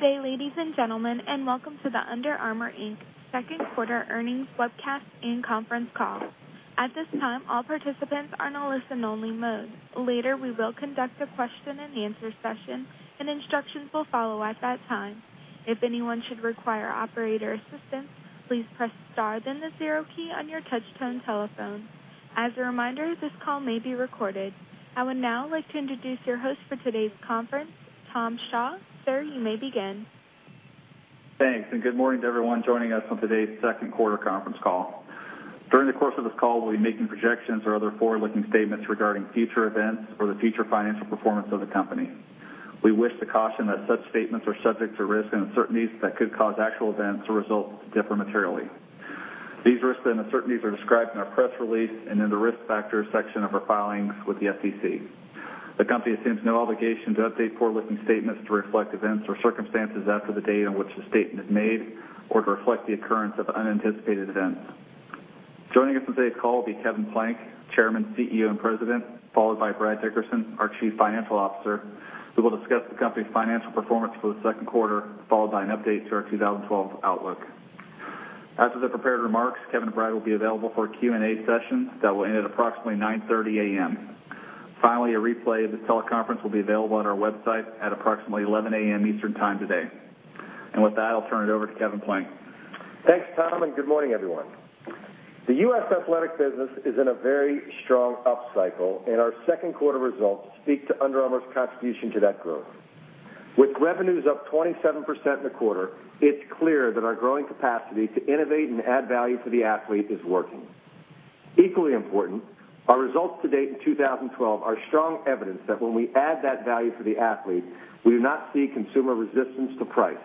Good day, ladies and gentlemen, and welcome to the Under Armour, Inc. second quarter earnings webcast and conference call. At this time, all participants are in a listen only mode. Later, we will conduct a question and answer session and instructions will follow at that time. If anyone should require operator assistance, please press star then the zero key on your touchtone telephone. As a reminder, this call may be recorded. I would now like to introduce your host for today's conference, Tom Shaw. Sir, you may begin. Thanks, and good morning to everyone joining us on today's second quarter conference call. During the course of this call, we'll be making projections or other forward-looking statements regarding future events or the future financial performance of the company. We wish to caution that such statements are subject to risks and uncertainties that could cause actual events or results to differ materially. These risks and uncertainties are described in our press release and in the Risk Factors section of our filings with the SEC. The company assumes no obligation to update forward-looking statements to reflect events or circumstances after the date on which the statement is made or to reflect the occurrence of unanticipated events. Joining us on today's call will be Kevin Plank, Chairman, CEO, and President, followed by Brad Dickerson, our Chief Financial Officer, who will discuss the company's financial performance for the second quarter, followed by an update to our 2012 outlook. After the prepared remarks, Kevin and Brad will be available for a Q&A session that will end at approximately 9:30 A.M. Finally, a replay of this teleconference will be available on our website at approximately 11:00 A.M. Eastern Time today. With that, I'll turn it over to Kevin Plank. Thanks, Tom, and good morning, everyone. The U.S. athletic business is in a very strong upcycle, and our second quarter results speak to Under Armour's contribution to that growth. With revenues up 27% in the quarter, it's clear that our growing capacity to innovate and add value for the athlete is working. Equally important, our results to date in 2012 are strong evidence that when we add that value for the athlete, we do not see consumer resistance to price.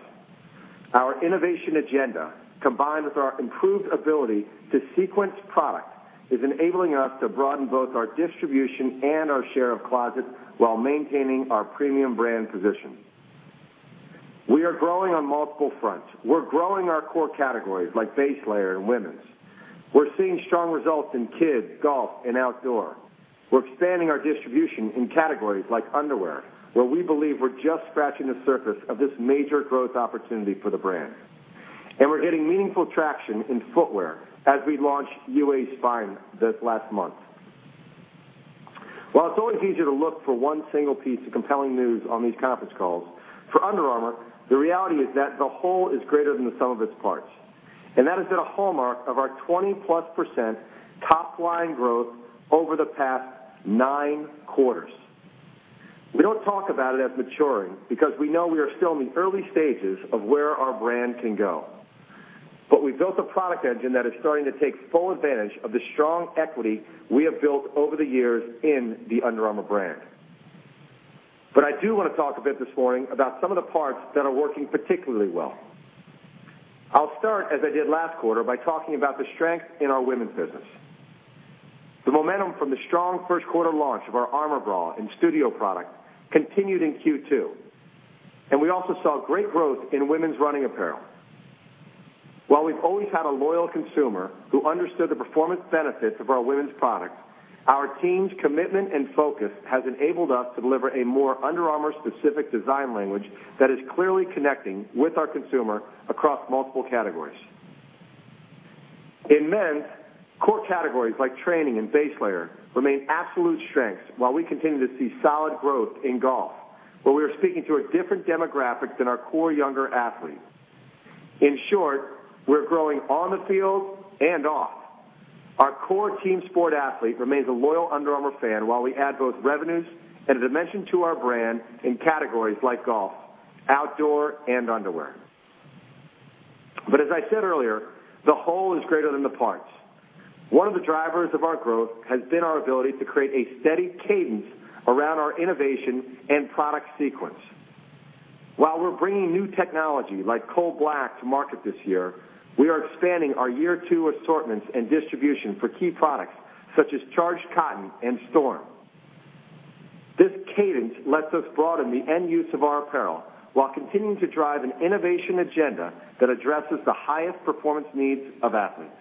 Our innovation agenda, combined with our improved ability to sequence product, is enabling us to broaden both our distribution and our share of closet while maintaining our premium brand position. We are growing on multiple fronts. We're growing our core categories like base layer and women's. We're seeing strong results in kids, golf, and outdoor. We're expanding our distribution in categories like underwear, where we believe we're just scratching the surface of this major growth opportunity for the brand. We're getting meaningful traction in footwear as we launch UA Spine this last month. While it's always easier to look for one single piece of compelling news on these conference calls, for Under Armour, the reality is that the whole is greater than the sum of its parts. That has been a hallmark of our 20-plus% top-line growth over the past nine quarters. We don't talk about it as maturing because we know we are still in the early stages of where our brand can go. We've built a product engine that is starting to take full advantage of the strong equity we have built over the years in the Under Armour brand. I do want to talk a bit this morning about some of the parts that are working particularly well. I'll start, as I did last quarter, by talking about the strength in our women's business. The momentum from the strong first quarter launch of our Armour Bra and Studio product continued in Q2. We also saw great growth in women's running apparel. While we've always had a loyal consumer who understood the performance benefits of our women's products, our team's commitment and focus has enabled us to deliver a more Under Armour-specific design language that is clearly connecting with our consumer across multiple categories. In men's, core categories like training and base layer remain absolute strengths while we continue to see solid growth in golf, where we are speaking to a different demographic than our core younger athlete. In short, we're growing on the field and off. Our core team sport athlete remains a loyal Under Armour fan while we add both revenues and a dimension to our brand in categories like golf, outdoor, and underwear. As I said earlier, the whole is greater than the parts. One of the drivers of our growth has been our ability to create a steady cadence around our innovation and product sequence. While we're bringing new technology like coldblack to market this year, we are expanding our year two assortments and distribution for key products such as Charged Cotton and Storm. This cadence lets us broaden the end use of our apparel while continuing to drive an innovation agenda that addresses the highest performance needs of athletes.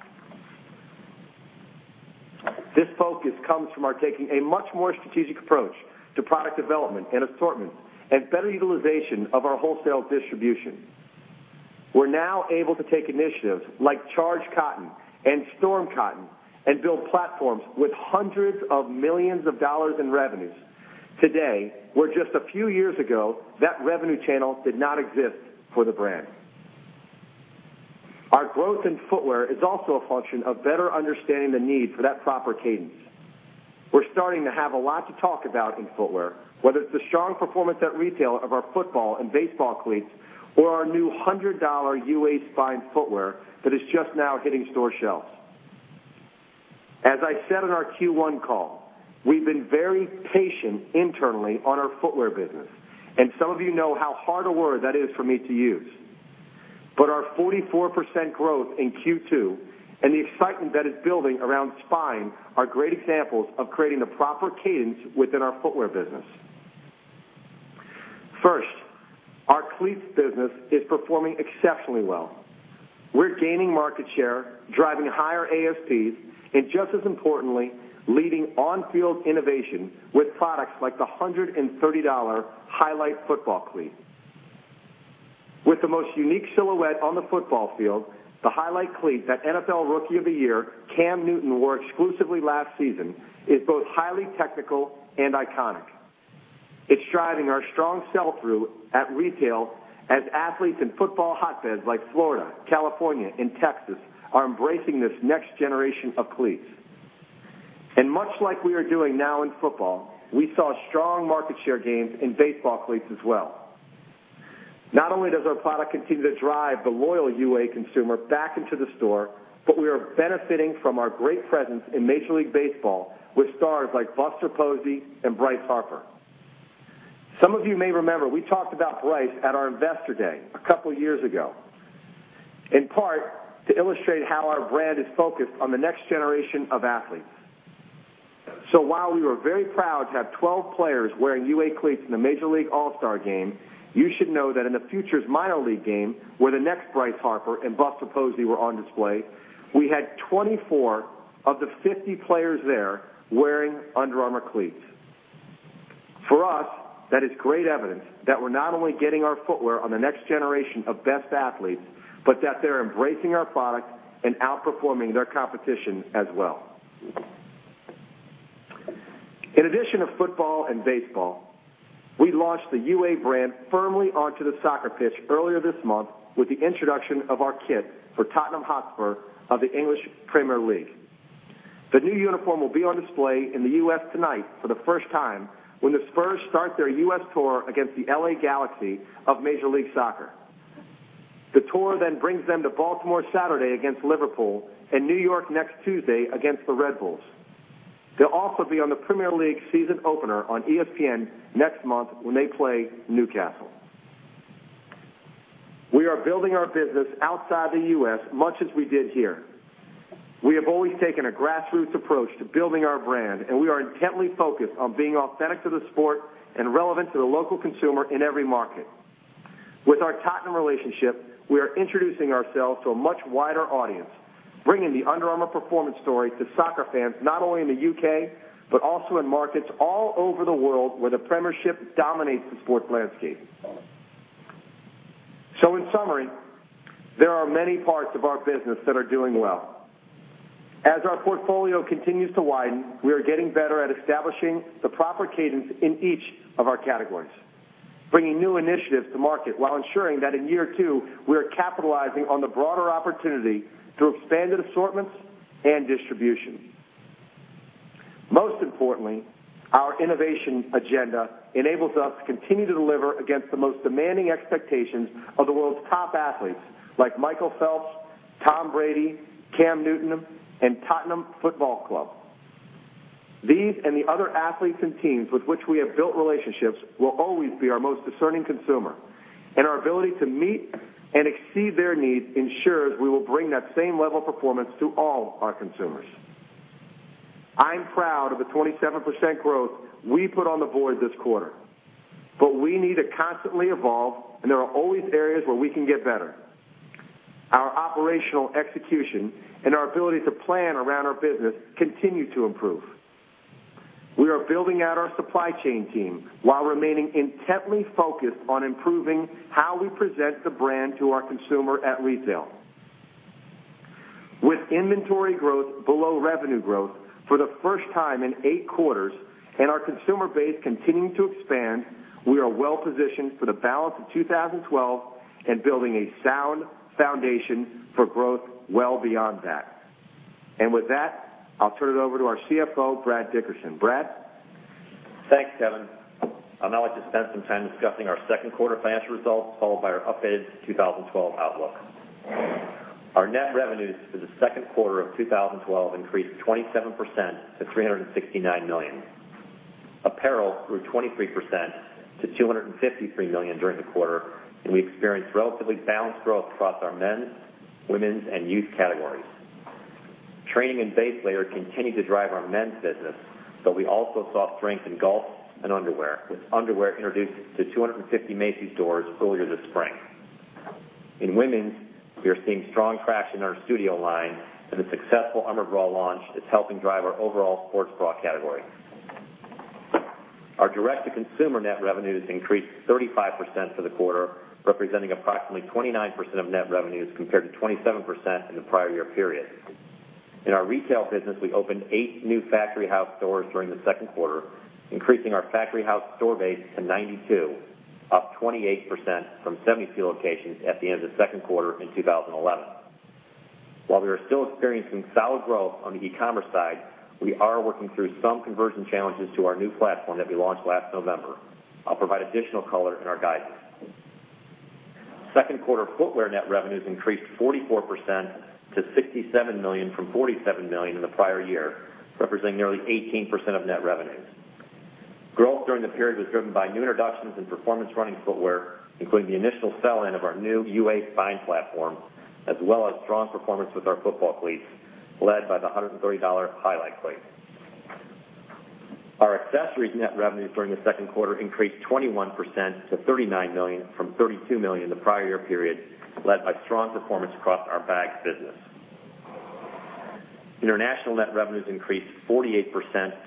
This focus comes from our taking a much more strategic approach to product development and assortment and better utilization of our wholesale distribution. We're now able to take initiatives like Charged Cotton and Storm Cotton and build platforms with hundreds of millions of dollars in revenues. Today, where just a few years ago, that revenue channel did not exist for the brand. Our growth in footwear is also a function of better understanding the need for that proper cadence. We're starting to have a lot to talk about in footwear, whether it's the strong performance at retail of our football and baseball cleats or our new $100 UA Spine footwear that is just now hitting store shelves. As I said on our Q1 call, we've been very patient internally on our footwear business, and some of you know how hard a word that is for me to use. Our 44% growth in Q2 and the excitement that is building around Spine are great examples of creating the proper cadence within our footwear business. Our cleats business is performing exceptionally well. We are gaining market share, driving higher ASPs, and just as importantly, leading on-field innovation with products like the $130 Highlight football cleat. With the most unique silhouette on the football field, the Highlight cleat that NFL Rookie of the Year, Cam Newton, wore exclusively last season is both highly technical and iconic. It is driving our strong sell-through at retail as athletes in football hotbeds like Florida, California, and Texas are embracing this next generation of cleats. Much like we are doing now in football, we saw strong market share gains in baseball cleats as well. Not only does our product continue to drive the loyal UA consumer back into the store, but we are benefiting from our great presence in Major League Baseball with stars like Buster Posey and Bryce Harper. Some of you may remember we talked about Bryce at our investor day 2 years ago, in part to illustrate how our brand is focused on the next generation of athletes. While we were very proud to have 12 players wearing UA cleats in the Major League Baseball All-Star Game, you should know that in the All-Star Futures Game, where the next Bryce Harper and Buster Posey were on display, we had 24 of the 50 players there wearing Under Armour cleats. For us, that is great evidence that we are not only getting our footwear on the next generation of best athletes, but that they are embracing our product and outperforming their competition as well. In addition to football and baseball, we launched the UA brand firmly onto the soccer pitch earlier this month with the introduction of our kit for Tottenham Hotspur of the English Premier League. The new uniform will be on display in the U.S. tonight for the first time when the Spurs start their U.S. tour against the L.A. Galaxy of Major League Soccer. The tour then brings them to Baltimore Saturday against Liverpool and New York next Tuesday against the Red Bulls. They will also be on the Premier League season opener on ESPN next month when they play Newcastle. We are building our business outside the U.S. much as we did here. We have always taken a grassroots approach to building our brand, and we are intently focused on being authentic to the sport and relevant to the local consumer in every market. With our Tottenham relationship, we are introducing ourselves to a much wider audience, bringing the Under Armour performance story to soccer fans, not only in the U.K., but also in markets all over the world where the Premiership dominates the sports landscape. In summary, there are many parts of our business that are doing well. As our portfolio continues to widen, we are getting better at establishing the proper cadence in each of our categories, bringing new initiatives to market while ensuring that in year 2, we are capitalizing on the broader opportunity through expanded assortments and distribution. Most importantly, our innovation agenda enables us to continue to deliver against the most demanding expectations of the world's top athletes like Michael Phelps, Tom Brady, Cam Newton, and Tottenham Football Club. These and the other athletes and teams with which we have built relationships will always be our most discerning consumer, and our ability to meet and exceed their needs ensures we will bring that same level of performance to all our consumers. I'm proud of the 27% growth we put on the board this quarter. We need to constantly evolve, and there are always areas where we can get better. Our operational execution and our ability to plan around our business continue to improve. We are building out our supply chain team while remaining intently focused on improving how we present the brand to our consumer at retail. With inventory growth below revenue growth for the first time in eight quarters and our consumer base continuing to expand, we are well positioned for the balance of 2012 and building a sound foundation for growth well beyond that. With that, I'll turn it over to our CFO, Brad Dickerson. Brad? Thanks, Kevin. I'd now like to spend some time discussing our second quarter financial results, followed by our updated 2012 outlook. Our net revenues for the second quarter of 2012 increased 27% to $369 million. Apparel grew 23% to $253 million during the quarter, and we experienced relatively balanced growth across our men's, women's, and youth categories. Training and base layer continued to drive our men's business, but we also saw strength in golf and underwear, with underwear introduced to 250 Macy's stores earlier this spring. In women's, we are seeing strong traction in our Studio line and a successful Armour Bra launch that's helping drive our overall sports bra category. Our direct-to-consumer net revenues increased 35% for the quarter, representing approximately 29% of net revenues, compared to 27% in the prior year period. In our retail business, we opened eight new Factory House stores during the second quarter, increasing our Factory House store base to 92, up 28% from 72 locations at the end of the second quarter in 2011. While we are still experiencing solid growth on the e-commerce side, we are working through some conversion challenges to our new platform that we launched last November. I'll provide additional color in our guidance. Second quarter footwear net revenues increased 44% to $67 million from $47 million in the prior year, representing nearly 18% of net revenues. Growth during the period was driven by new introductions in performance running footwear, including the initial sell-in of our new UA Spine platform, as well as strong performance with our football cleats, led by the $130 Highlight cleat. Our accessories net revenues during the second quarter increased 21% to $39 million from $32 million in the prior year period, led by strong performance across our bags business. International net revenues increased 48%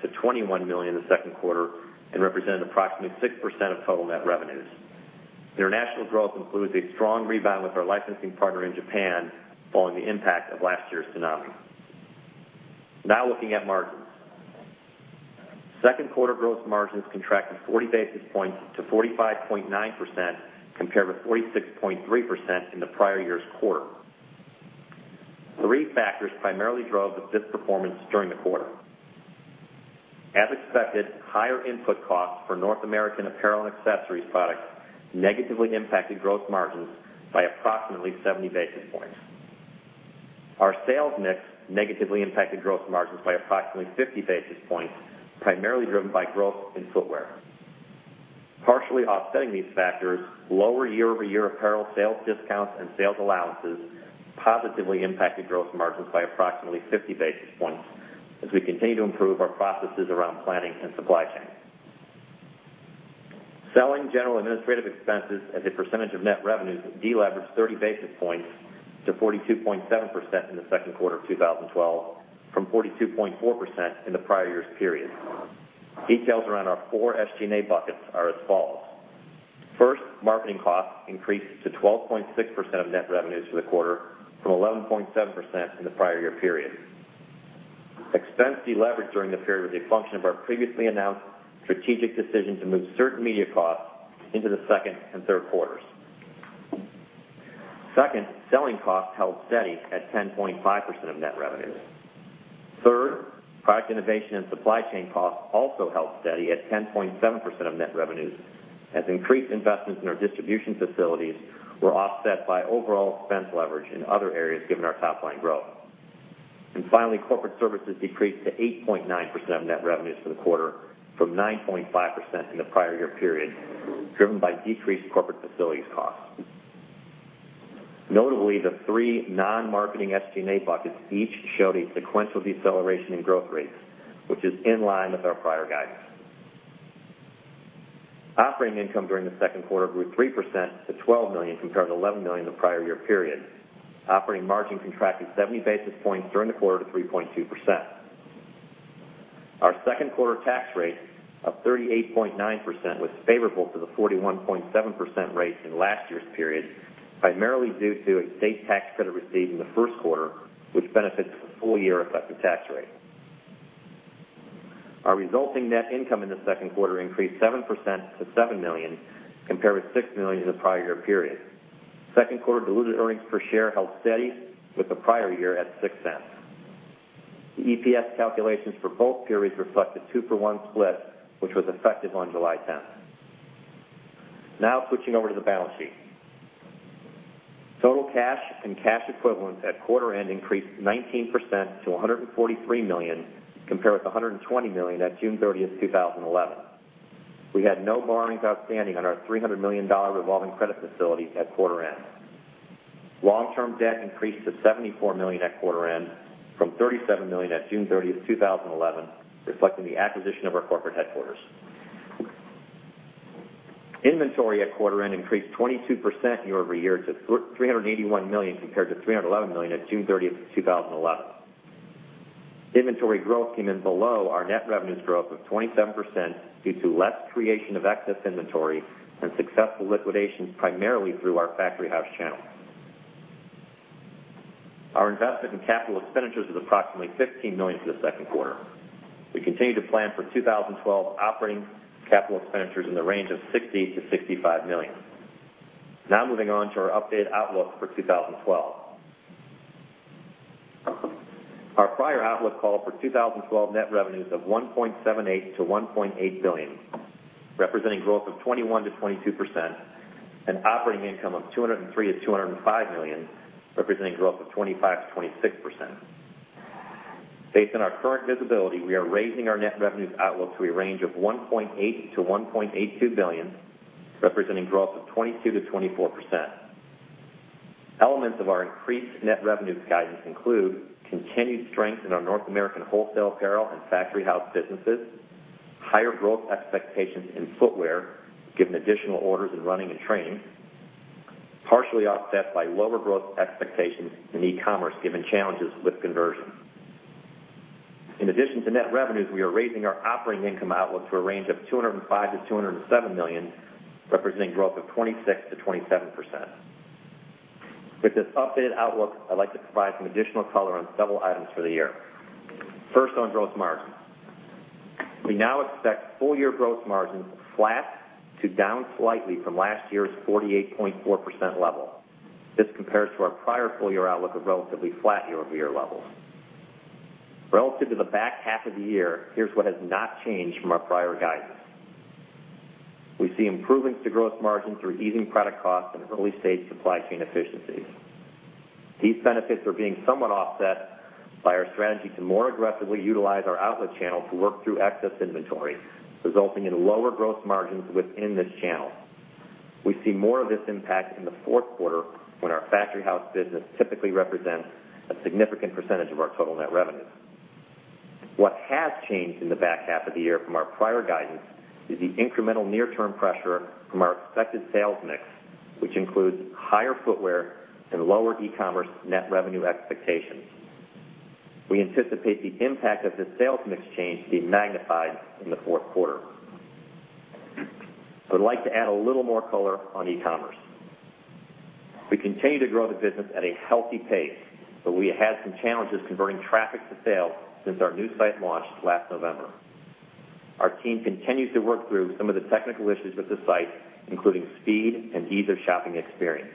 to $21 million in the second quarter and represented approximately 6% of total net revenues. International growth includes a strong rebound with our licensing partner in Japan following the impact of last year's tsunami. Now, looking at margins. Second quarter gross margins contracted 40 basis points to 45.9%, compared with 46.3% in the prior year's quarter. Three factors primarily drove this performance during the quarter. As expected, higher input costs for North American apparel and accessories products negatively impacted gross margins by approximately 70 basis points. Our sales mix negatively impacted gross margins by approximately 50 basis points, primarily driven by growth in footwear. Partially offsetting these factors, lower year-over-year apparel sales discounts and sales allowances positively impacted gross margins by approximately 50 basis points, as we continue to improve our processes around planning and supply chain. Selling, general and administrative expenses as a percentage of net revenues de-leveraged 30 basis points to 42.7% in the second quarter of 2012 from 42.4% in the prior year's period. Details around our four SG&A buckets are as follows. First, marketing costs increased to 12.6% of net revenues for the quarter from 11.7% in the prior year period. Expense de-leveraged during the period was a function of our previously announced strategic decision to move certain media costs into the second and third quarters. Second, selling costs held steady at 10.5% of net revenues. Third, product innovation and supply chain costs also held steady at 10.7% of net revenues, as increased investments in our distribution facilities were offset by overall expense leverage in other areas, given our top-line growth. Finally, corporate services decreased to 8.9% of net revenues for the quarter from 9.5% in the prior year period, driven by decreased corporate facilities costs. Notably, the three non-marketing SG&A buckets each showed a sequential deceleration in growth rates, which is in line with our prior guidance. Operating income during the second quarter grew 3% to $12 million compared to $11 million in the prior year period. Operating margin contracted 70 basis points during the quarter to 3.2%. Our second quarter tax rate of 38.9% was favorable to the 41.7% rate in last year's period, primarily due to a state tax credit received in the first quarter, which benefits the full year effective tax rate. Our resulting net income in the second quarter increased 7% to $7 million, compared with $6 million in the prior year period. Second quarter diluted earnings per share held steady with the prior year at $0.06. The EPS calculations for both periods reflect a two-for-one split, which was effective on July 10th. Now, switching over to the balance sheet. Total cash and cash equivalents at quarter-end increased 19% to $143 million, compared with $120 million at June 30th, 2011. We had no borrowings outstanding on our $300 million revolving credit facility at quarter-end. Long-term debt increased to $74 million at quarter-end from $37 million at June 30th, 2011, reflecting the acquisition of our corporate headquarters. Inventory at quarter-end increased 22% year-over-year to $381 million, compared to $311 million at June 30th, 2011. Inventory growth came in below our net revenues growth of 27% due to less creation of excess inventory and successful liquidations primarily through our Factory House channel. Our investment in capital expenditures was approximately $15 million for the second quarter. We continue to plan for 2012 operating capital expenditures in the range of $60 to $65 million. Moving on to our updated outlook for 2012. Our prior outlook called for 2012 net revenues of $1.78 to $1.8 billion, representing growth of 21% to 22%, and operating income of $203 to $205 million, representing growth of 25% to 26%. Based on our current visibility, we are raising our net revenues outlook to a range of $1.8 to $1.82 billion, representing growth of 22% to 24%. Elements of our increased net revenues guidance include continued strength in our North American wholesale apparel and Factory House businesses, higher growth expectations in footwear, given additional orders in running and training, partially offset by lower growth expectations in e-commerce, given challenges with conversion. In addition to net revenues, we are raising our operating income outlook to a range of $205 to $207 million, representing growth of 26% to 27%. With this updated outlook, I'd like to provide some additional color on several items for the year. First, on gross margin. We now expect full-year growth margins flat to down slightly from last year's 48.4% level. This compares to our prior full-year outlook of relatively flat year-over-year levels. Relative to the back half of the year, here's what has not changed from our prior guidance. We see improvements to growth margin through easing product costs and early-stage supply chain efficiencies. These benefits are being somewhat offset by our strategy to more aggressively utilize our outlet channel to work through excess inventory, resulting in lower growth margins within this channel. We see more of this impact in the fourth quarter when our Factory House business typically represents a significant percentage of our total net revenue. What has changed in the back half of the year from our prior guidance is the incremental near-term pressure from our expected sales mix, which includes higher footwear and lower e-commerce net revenue expectations. We anticipate the impact of this sales mix change to be magnified in the fourth quarter. I would like to add a little more color on e-commerce. We continue to grow the business at a healthy pace, we have had some challenges converting traffic to sales since our new site launched last November. Our team continues to work through some of the technical issues with the site, including speed and ease of shopping experience.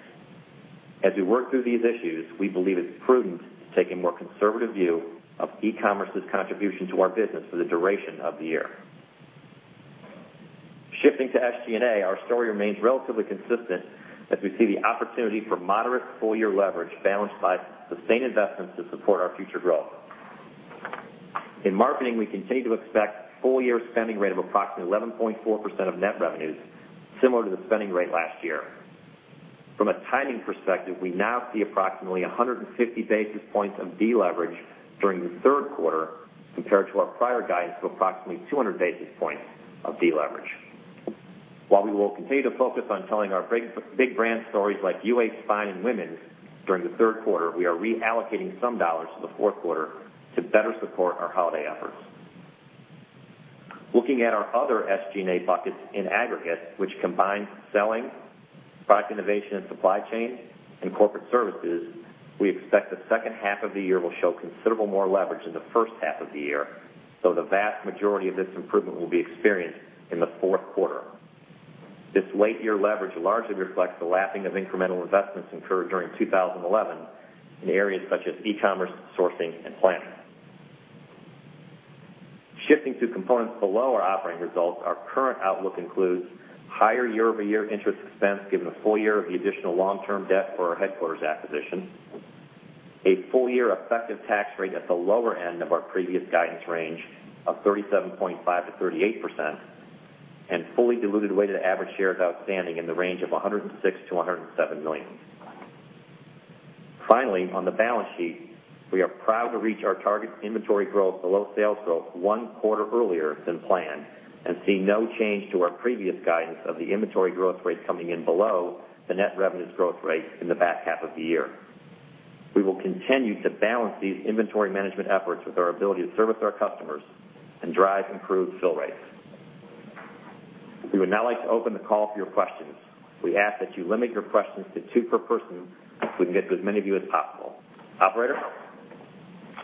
As we work through these issues, we believe it's prudent to take a more conservative view of e-commerce's contribution to our business for the duration of the year. Shifting to SG&A, our story remains relatively consistent as we see the opportunity for moderate full-year leverage balanced by sustained investments to support our future growth. In marketing, we continue to expect full-year spending rate of approximately 11.4% of net revenues, similar to the spending rate last year. From a timing perspective, we now see approximately 150 basis points of deleverage during the third quarter compared to our prior guidance of approximately 200 basis points of deleverage. While we will continue to focus on telling our big brand stories like UA Spine and Women's during the third quarter, we are reallocating some dollars to the fourth quarter to better support our holiday efforts. Looking at our other SG&A buckets in aggregate, which combines selling, product innovation and supply chain, and corporate services, we expect the second half of the year will show considerable more leverage than the first half of the year, the vast majority of this improvement will be experienced in the fourth quarter. This late-year leverage largely reflects the lapping of incremental investments incurred during 2011 in areas such as e-commerce, sourcing, and planning. Shifting to components below our operating results, our current outlook includes higher year-over-year interest expense given the full year of the additional long-term debt for our headquarters acquisition, a full-year effective tax rate at the lower end of our previous guidance range of 37.5%-38%, and fully diluted weighted average shares outstanding in the range of 106 million to 107 million. Finally, on the balance sheet, we are proud to reach our target inventory growth below sales growth one quarter earlier than planned and see no change to our previous guidance of the inventory growth rate coming in below the net revenues growth rate in the back half of the year. We will continue to balance these inventory management efforts with our ability to service our customers and drive improved fill rates. We would now like to open the call for your questions. We ask that you limit your questions to two per person so we can get to as many of you as possible.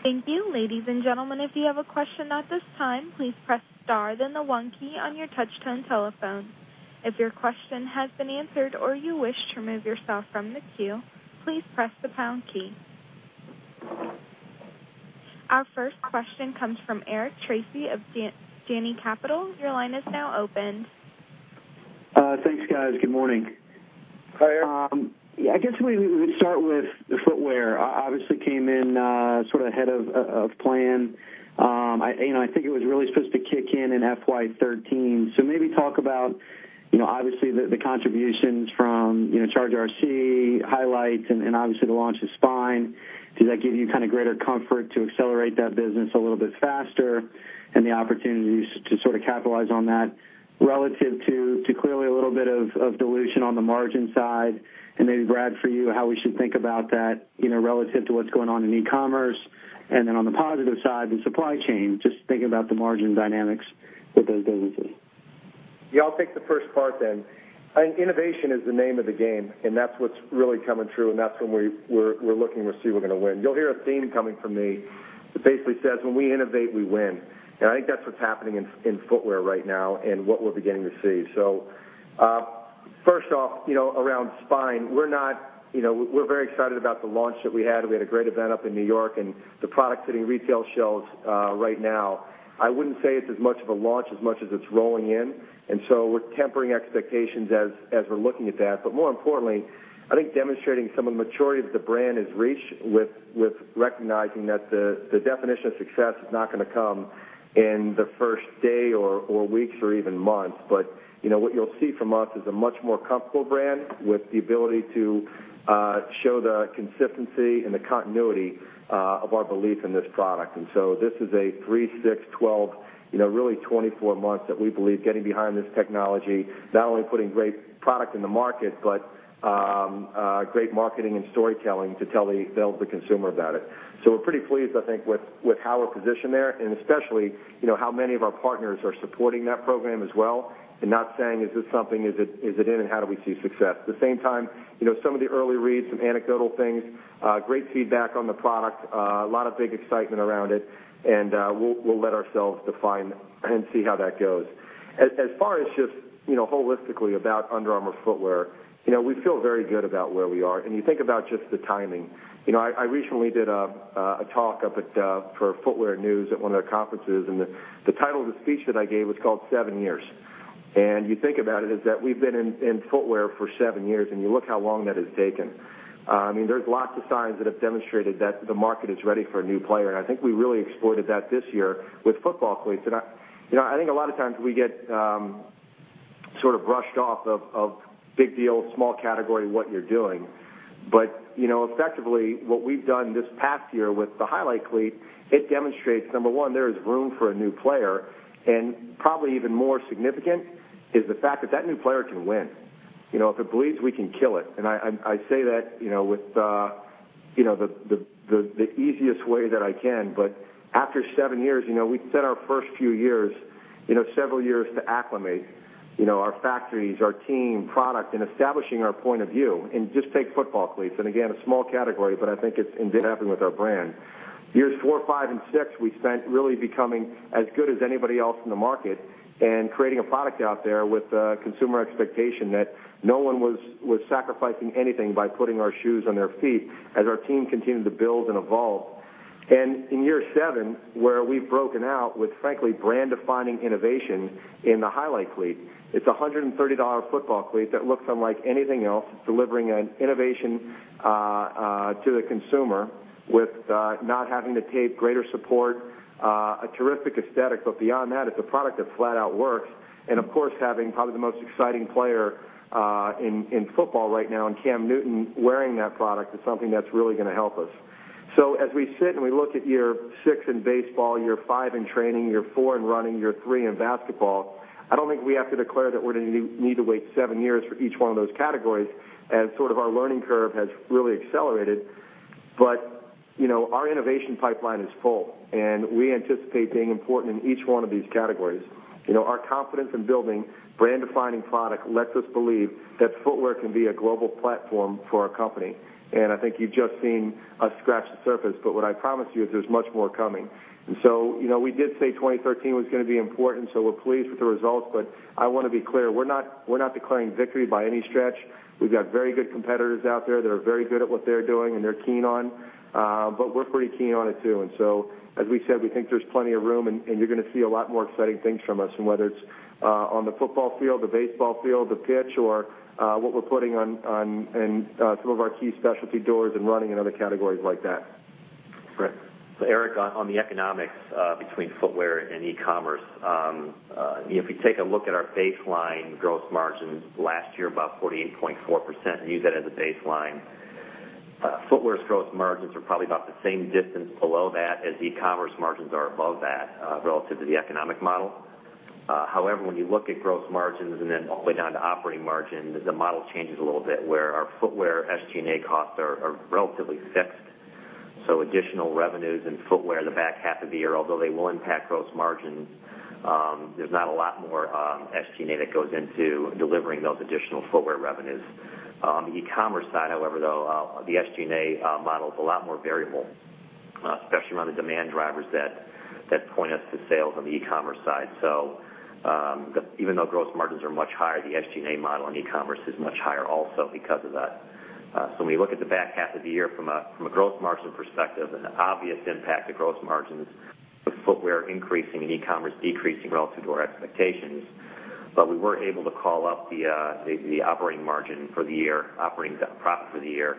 Operator? Thank you. Ladies and gentlemen, if you have a question at this time, please press star then the one key on your touch-tone telephone. If your question has been answered or you wish to remove yourself from the queue, please press the pound key. Our first question comes from Eric Tracy of Janney Capital. Your line is now open. Thanks, guys. Good morning. Hi, Eric. I guess maybe we could start with the footwear. Obviously came in sort of ahead of plan. I think it was really supposed to kick in in FY 2013. Maybe talk about, obviously, the contributions from Charge RC, Highlight, and obviously the launch of Spine. Does that give you greater comfort to accelerate that business a little bit faster and the opportunities to capitalize on that relative to clearly a little bit of dilution on the margin side? Maybe, Brad, for you, how we should think about that relative to what's going on in e-commerce. On the positive side, the supply chain, just thinking about the margin dynamics with those businesses. Yeah, I'll take the first part then. Innovation is the name of the game, and that's what's really coming true, and that's when we're looking to see we're going to win. You'll hear a theme coming from me that basically says, when we innovate, we win. I think that's what's happening in footwear right now and what we're beginning to see. First off, around Spine, we're very excited about the launch that we had. We had a great event up in New York, and the product's hitting retail shelves right now. I wouldn't say it's as much of a launch as much as it's rolling in. We're tempering expectations as we're looking at that. More importantly, I think demonstrating some of the maturity of the brand is reach with recognizing that the definition of success is not going to come in the first day or weeks or even months. What you'll see from us is a much more comfortable brand with the ability to show the consistency and the continuity of our belief in this product. This is a three, six, 12, really 24 months that we believe getting behind this technology, not only putting great product in the market, but great marketing and storytelling to tell the consumer about it. We're pretty pleased, I think, with how we're positioned there, and especially, how many of our partners are supporting that program as well and not saying, "Is this something, is it in, and how do we see success?" At the same time, some of the early reads, some anecdotal things, great feedback on the product, a lot of big excitement around it, and we'll let ourselves define and see how that goes. As far as just holistically about Under Armour footwear, we feel very good about where we are. You think about just the timing. I recently did a talk up at for Footwear News at one of their conferences, and the title of the speech that I gave was called "Seven Years." You think about it, is that we've been in footwear for seven years, and you look how long that has taken. There's lots of signs that have demonstrated that the market is ready for a new player, I think we really exploited that this year with football cleats. I think a lot of times we get sort of brushed off of big deal, small category, what you're doing. Effectively, what we've done this past year with the Highlight cleat, it demonstrates, number one, there is room for a new player, and probably even more significant, is the fact that that new player can win. If it bleeds, we can kill it. I say that with the easiest way that I can. After seven years, we spent our first few years, several years to acclimate our factories, our team, product, and establishing our point of view. Just take football cleats, and again, a small category, but I think it's been happening with our brand. Years four, five, and six, we spent really becoming as good as anybody else in the market and creating a product out there with consumer expectation that no one was sacrificing anything by putting our shoes on their feet as our team continued to build and evolve. In year seven, where we've broken out with, frankly, brand-defining innovation in the Highlight cleat. It's a $130 football cleat that looks unlike anything else, delivering an innovation to the consumer with not having to tape, greater support, a terrific aesthetic. Beyond that, it's a product that flat out works. Of course, having probably the most exciting player in football right now in Cam Newton wearing that product is something that's really going to help us. As we sit and we look at year six in baseball, year five in training, year four in running, year three in basketball, I don't think we have to declare that we're going to need to wait seven years for each one of those categories as sort of our learning curve has really accelerated. Our innovation pipeline is full, and we anticipate being important in each one of these categories. Our confidence in building brand-defining product lets us believe that footwear can be a global platform for our company. I think you've just seen us scratch the surface, but what I promise you is there's much more coming. We did say 2013 was going to be important, so we're pleased with the results, but I want to be clear, we're not declaring victory by any stretch. We've got very good competitors out there that are very good at what they're doing, and they're keen on. We're pretty keen on it, too. As we said, we think there's plenty of room, and you're going to see a lot more exciting things from us, and whether it's on the football field, the baseball field, the pitch, or what we're putting in two of our key specialty doors in running and other categories like that. Brad. Eric, on the economics between footwear and e-commerce. If you take a look at our baseline gross margins last year, about 48.4%, and use that as a baseline, footwear's gross margins are probably about the same distance below that as e-commerce margins are above that relative to the economic model. When you look at gross margins and then all the way down to operating margin, the model changes a little bit where our footwear SG&A costs are relatively fixed. Additional revenues in footwear in the back half of the year, although they will impact gross margins, there's not a lot more SG&A that goes into delivering those additional footwear revenues. On the e-commerce side, however, though, the SG&A model is a lot more variable, especially around the demand drivers that point us to sales on the e-commerce side. Even though gross margins are much higher, the SG&A model on e-commerce is much higher also because of that. When we look at the back half of the year from a growth margin perspective and the obvious impact to gross margins with footwear increasing and e-commerce decreasing relative to our expectations, we were able to call up the operating profit for the year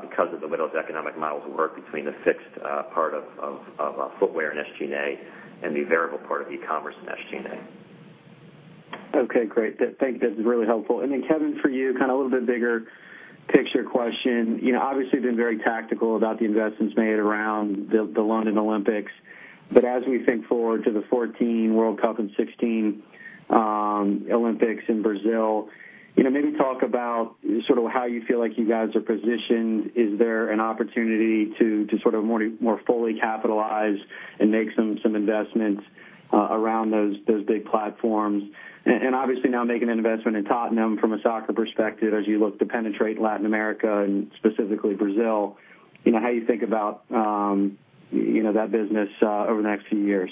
because of the way those economic models work between the fixed part of footwear and SG&A and the variable part of e-commerce and SG&A. Okay, great. Thank you. That was really helpful. Kevin, for you, a little bit bigger picture question. Obviously, you've been very tactical about the investments made around the London Olympics. As we think forward to the 2014 World Cup and 2016 Olympics in Brazil, maybe talk about sort of how you feel like you guys are positioned. Is there an opportunity to sort of more fully capitalize and make some investments around those big platforms? Obviously now making an investment in Tottenham from a soccer perspective as you look to penetrate Latin America and specifically Brazil, how you think about that business over the next few years.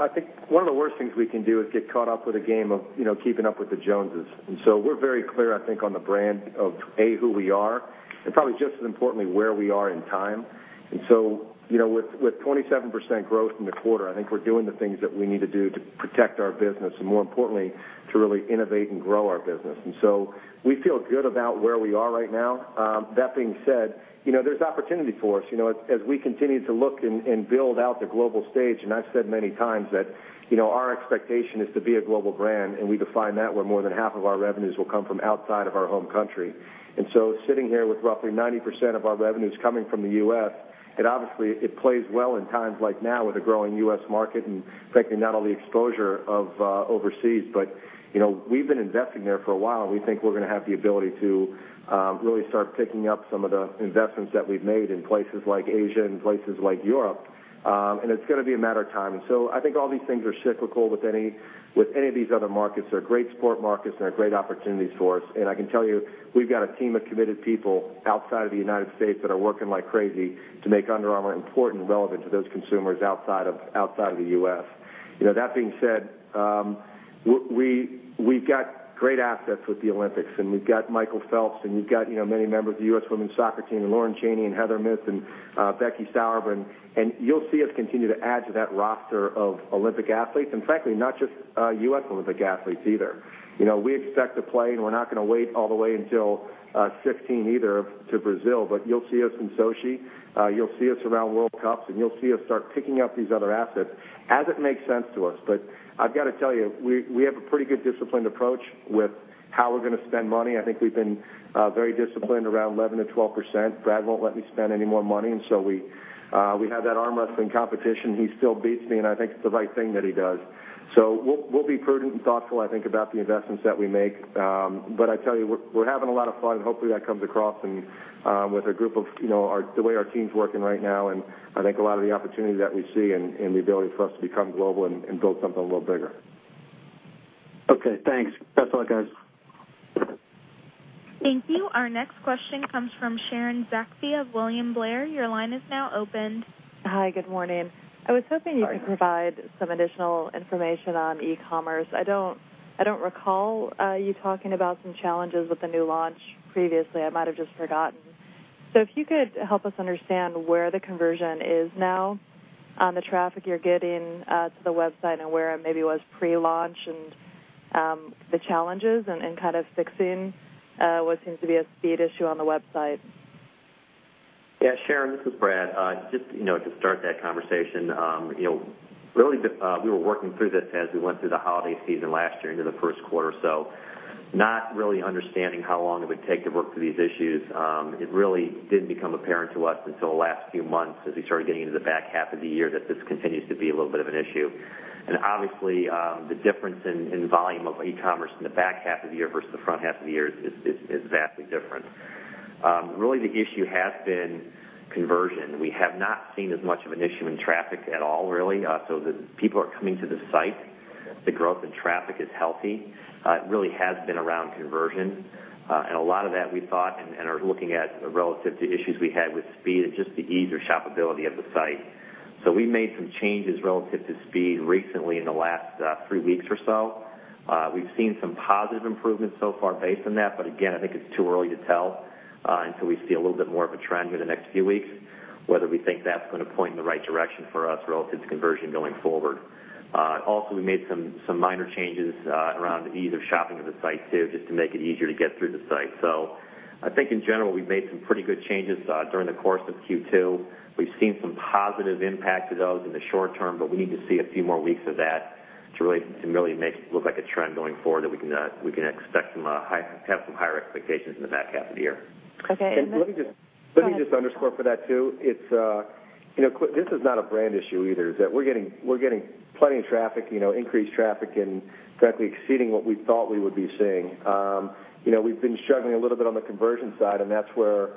I think one of the worst things we can do is get caught up with a game of keeping up with the Joneses. We're very clear, I think, on the brand of, A, who we are, and probably just as importantly, where we are in time. With 27% growth in the quarter, I think we're doing the things that we need to do to protect our business, and more importantly, to really innovate and grow our business. We feel good about where we are right now. That being said, there's opportunity for us as we continue to look and build out the global stage. I've said many times that our expectation is to be a global brand, and we define that where more than half of our revenues will come from outside of our home country. Sitting here with roughly 90% of our revenues coming from the U.S., it obviously plays well in times like now with a growing U.S. market and frankly not only exposure of overseas, but we've been investing there for a while, and we think we're going to have the ability to really start picking up some of the investments that we've made in places like Asia and places like Europe. It's going to be a matter of time. I think all these things are cyclical with any of these other markets. They're great sport markets, and they're great opportunities for us. I can tell you, we've got a team of committed people outside of the United States that are working like crazy to make Under Armour important and relevant to those consumers outside of the U.S. That being said, we've got great assets with the Olympics, and we've got Michael Phelps, and we've got many members of the U.S. women's soccer team, Lauren Cheney and Heather Mitts and Becky Sauerbrunn. You'll see us continue to add to that roster of Olympic athletes, and frankly, not just U.S. Olympic athletes either. We expect to play, and we're not going to wait all the way until 2016 either to Brazil, but you'll see us in Sochi, you'll see us around World Cups, and you'll see us start picking up these other assets as it makes sense to us. I've got to tell you, we have a pretty good disciplined approach with how we're going to spend money. I think we've been very disciplined around 11%-12%. Brad won't let me spend any more money, we have that arm wrestling competition. He still beats me, and I think it's the right thing that he does. We'll be prudent and thoughtful, I think, about the investments that we make. I tell you, we're having a lot of fun, and hopefully, that comes across and with the way our team's working right now, and I think a lot of the opportunity that we see and the ability for us to become global and build something a little bigger. Okay, thanks. That's all, guys. Thank you. Our next question comes from Sharon Zackfia of William Blair. Your line is now open. Hi. Good morning. I was hoping you could provide some additional information on e-commerce. I don't recall you talking about some challenges with the new launch previously. I might have just forgotten. If you could help us understand where the conversion is now on the traffic you're getting to the website and where it maybe was pre-launch and the challenges and kind of fixing what seems to be a speed issue on the website. Yeah, Sharon, this is Brad. Just to start that conversation. Really, we were working through this as we went through the holiday season last year into the first quarter or so. Not really understanding how long it would take to work through these issues. It really didn't become apparent to us until the last few months as we started getting into the back half of the year that this continues to be a little bit of an issue. Obviously, the difference in volume of e-commerce in the back half of the year versus the front half of the year is vastly different. Really, the issue has been conversion. We have not seen as much of an issue in traffic at all, really. The people are coming to the site. The growth in traffic is healthy. It really has been around conversion. A lot of that we thought and are looking at relative to issues we had with speed and just the ease or shopability of the site. We made some changes relative to speed recently in the last three weeks or so. We've seen some positive improvements so far based on that. Again, I think it's too early to tell until we see a little bit more of a trend over the next few weeks, whether we think that's going to point in the right direction for us relative to conversion going forward. Also, we made some minor changes around the ease of shopping of the site too, just to make it easier to get through the site. I think in general, we've made some pretty good changes during the course of Q2. We've seen some positive impact to those in the short term, but we need to see a few more weeks of that to really make it look like a trend going forward that we can have some higher expectations in the back half of the year. Okay. Let me just underscore for that, too. This is not a brand issue either. We're getting plenty of traffic, increased traffic, and frankly, exceeding what we thought we would be seeing. We've been struggling a little bit on the conversion side, and that's where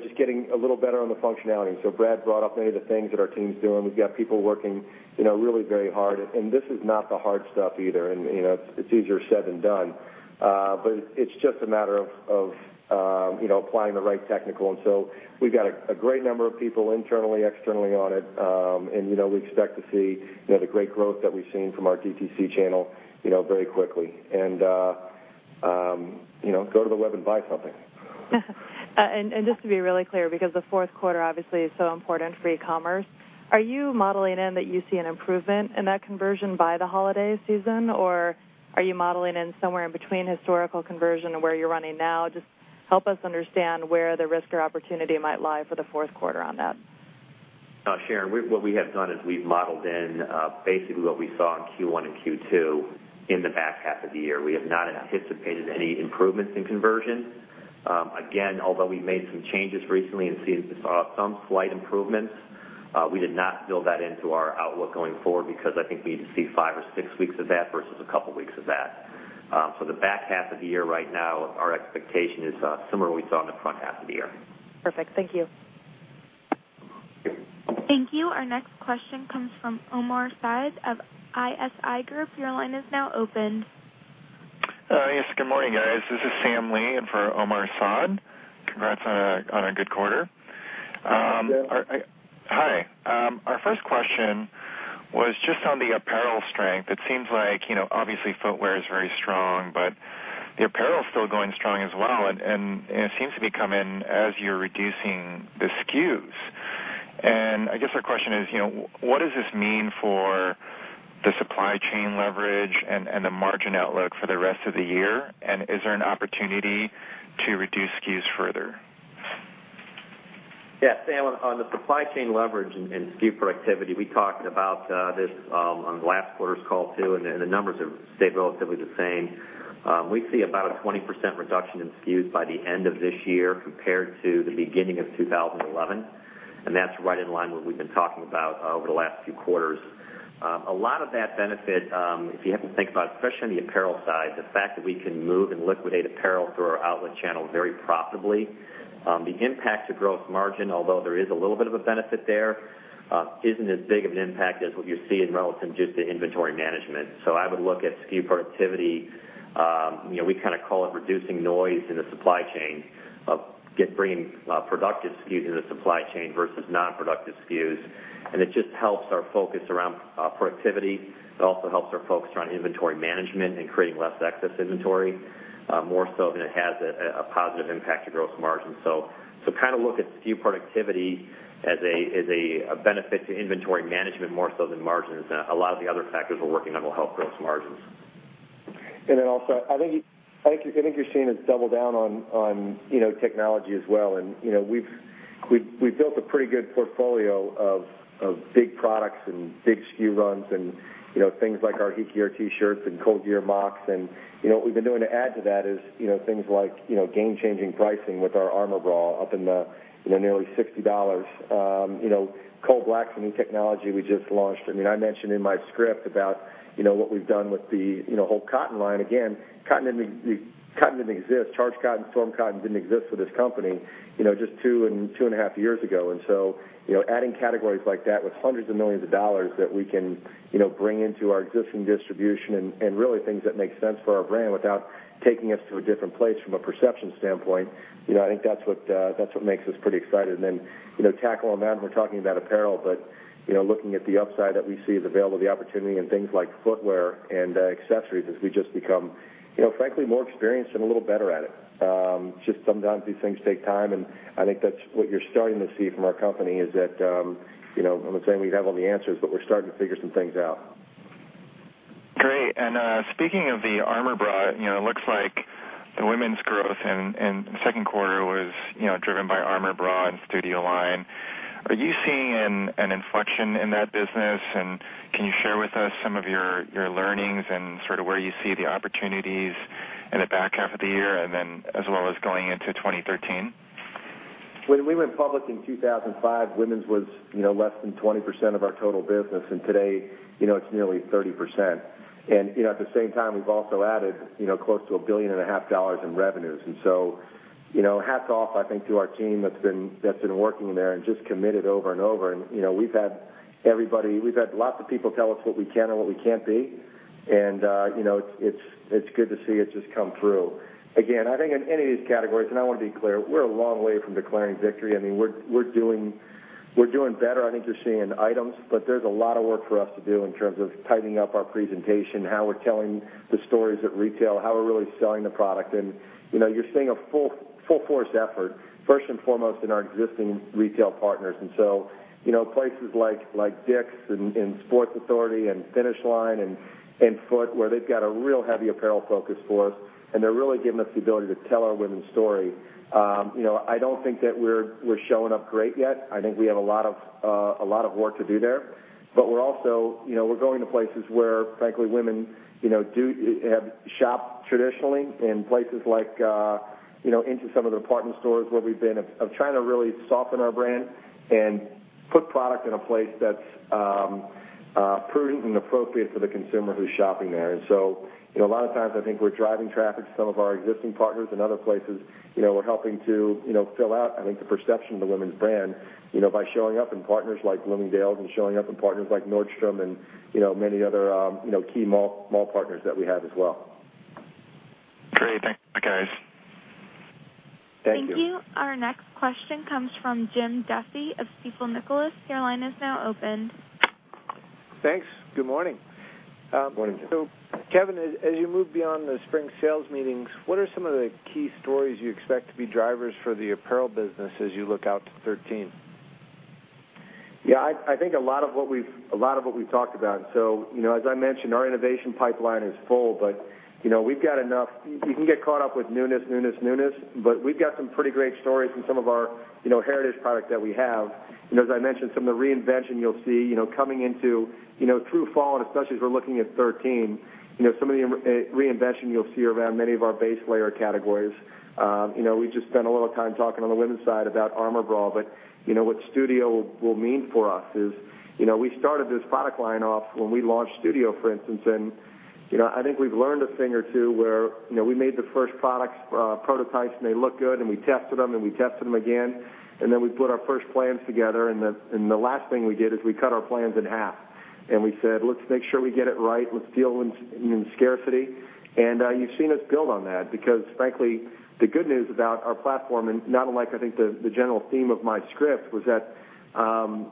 just getting a little better on the functionality. Brad brought up many of the things that our team's doing. We've got people working really very hard. This is not the hard stuff either. It's easier said than done. It's just a matter of applying the right technical. We've got a great number of people internally, externally on it. We expect to see the great growth that we've seen from our DTC channel very quickly. Go to the web and buy something. Just to be really clear, because the fourth quarter obviously is so important for e-commerce, are you modeling in that you see an improvement in that conversion by the holiday season, or are you modeling in somewhere in between historical conversion and where you're running now? Just help us understand where the risk or opportunity might lie for the fourth quarter on that. Sharon, what we have done is we've modeled in basically what we saw in Q1 and Q2 in the back half of the year. We have not anticipated any improvements in conversion. Again, although we made some changes recently and saw some slight improvements, we did not build that into our outlook going forward because I think we need to see five or six weeks of that versus a couple weeks of that. The back half of the year right now, our expectation is similar to what we saw in the front half of the year. Perfect. Thank you. Thank you. Our next question comes from Omar Saad of ISI Group. Your line is now open. Yes, good morning, guys. This is Sam Lee in for Omar Saad. Congrats on a good quarter. Thank you, Sam. Hi. Our first question was just on the apparel strength. It seems like, obviously, footwear is very strong, but the apparel is still going strong as well, and it seems to be coming as you're reducing the SKUs. I guess our question is, what does this mean for the supply chain leverage and the margin outlook for the rest of the year? Is there an opportunity to reduce SKUs further? Yeah, Sam, on the supply chain leverage and SKU productivity, we talked about this on last quarter's call, too. The numbers have stayed relatively the same. We see about a 20% reduction in SKUs by the end of this year compared to the beginning of 2011. That's right in line with what we've been talking about over the last few quarters. A lot of that benefit, if you have to think about especially on the apparel side, the fact that we can move and liquidate apparel through our outlet channel very profitably. The impact to gross margin, although there is a little bit of a benefit there, isn't as big of an impact as what you see in relative just to inventory management. I would look at SKU productivity. We call it reducing noise in the supply chain of bringing productive SKUs into the supply chain versus non-productive SKUs. It just helps our focus around productivity. It also helps our focus around inventory management and creating less excess inventory, more so than it has a positive impact to gross margin. Look at SKU productivity as a benefit to inventory management more so than margins. A lot of the other factors we're working on will help gross margins. Also, I think you're seeing us double down on technology as well. We've built a pretty good portfolio of big products and big SKU runs and things like our HeatGear T-shirts and ColdGear mocks. What we've been doing to add to that is things like game-changing pricing with our ArmourBra up in the nearly $60. coldblack's a new technology we just launched. I mentioned in my script about what we've done with the whole cotton line. Again, Charged Cotton, Storm Cotton didn't exist with this company just two and a half years ago. Adding categories like that with hundreds of millions of dollars that we can bring into our existing distribution and really things that make sense for our brand without taking us to a different place from a perception standpoint. I think that's what makes us pretty excited. Tackle on that, we're talking about apparel, looking at the upside that we see is available, the opportunity and things like footwear and accessories as we just become frankly more experienced and a little better at it. Sometimes these things take time, and I think that's what you're starting to see from our company is that, I'm not saying we have all the answers, but we're starting to figure some things out. Great. Speaking of the Armour Bra, it looks like the women's growth in the second quarter was driven by Armour Bra and Studio Line. Are you seeing an inflection in that business? Can you share with us some of your learnings and sort of where you see the opportunities in the back half of the year and then as well as going into 2013? When we went public in 2005, women's was less than 20% of our total business, today, it's nearly 30%. At the same time, we've also added close to a billion and a half dollars in revenues. Hats off, I think, to our team that's been working there and just committed over and over. We've had lots of people tell us what we can and what we can't be. It's good to see it just come through. Again, I think in any of these categories, and I want to be clear, we're a long way from declaring victory. We're doing better, I think you're seeing in items, there's a lot of work for us to do in terms of tightening up our presentation, how we're telling the stories at retail, how we're really selling the product. You're seeing a full force effort, first and foremost in our existing retail partners. Places like Dick's and Sports Authority and Finish Line and Foot Locker, where they've got a real heavy apparel focus for us, and they're really giving us the ability to tell our women's story. I don't think that we're showing up great yet. I think we have a lot of work to do there. We're also going to places where, frankly, women have shopped traditionally in places like into some of the department stores where we've been of trying to really soften our brand and put product in a place that's prudent and appropriate for the consumer who's shopping there. A lot of times I think we're driving traffic to some of our existing partners and other places. We're helping to fill out, I think, the perception of the women's brand by showing up in partners like Bloomingdale's and showing up in partners like Nordstrom and many other key mall partners that we have as well. Great. Thanks, guys. Thank you. Thank you. Our next question comes from Jim Duffy of Stifel Nicolaus. Your line is now open. Thanks. Good morning. Morning, Jim. Kevin, as you move beyond the spring sales meetings, what are some of the key stories you expect to be drivers for the apparel business as you look out to 2013? Yeah, I think a lot of what we've talked about. As I mentioned, our innovation pipeline is full, but we've got enough. You can get caught up with newness. We've got some pretty great stories in some of our heritage product that we have. As I mentioned, some of the reinvention you'll see coming into through fall, and especially as we're looking at 2013. Some of the reinvention you'll see around many of our base layer categories. We just spent a little time talking on the women's side about ArmourBra, but what Studio will mean for us is we started this product line off when we launched Studio, for instance. I think we've learned a thing or two where we made the first products prototypes, and they looked good, and we tested them, and we tested them again, and then we put our first plans together, and the last thing we did is we cut our plans in half. We said, "Let's make sure we get it right. Let's deal in scarcity." You've seen us build on that because frankly, the good news about our platform, and not unlike, I think, the general theme of my script was that the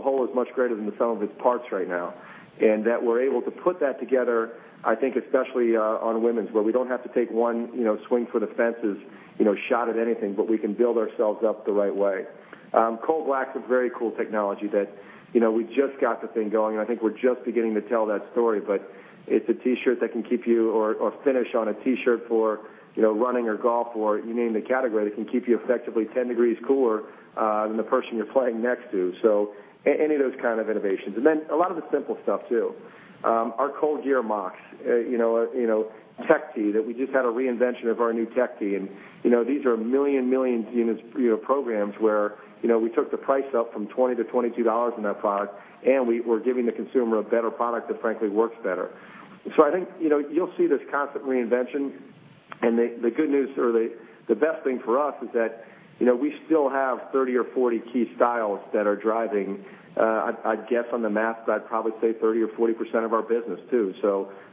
whole is much greater than the sum of its parts right now. That we're able to put that together, I think especially on women's, where we don't have to take one swing for the fences shot at anything, but we can build ourselves up the right way. coldblack's a very cool technology that we just got the thing going, I think we're just beginning to tell that story. It's a T-shirt that can keep you or finish on a T-shirt for running or golf or you name the category that can keep you effectively 10 degrees cooler than the person you're playing next to. Any of those kind of innovations. A lot of the simple stuff, too. Our ColdGear mocks. Tech tee, that we just had a reinvention of our new UA Tech, and these are million units programs where we took the price up from $20 to $22 in that product, and we're giving the consumer a better product that frankly works better. I think you'll see this constant reinvention. The good news, or the best thing for us is that we still have 30 or 40 key styles that are driving, I'd guess on the math, I'd probably say 30% or 40% of our business too.